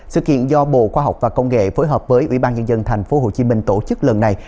sự kiện do bộ khoa học và công nghệ phối hợp với ủy ban nhân dân thành phố hồ chí minh tổ chức lần này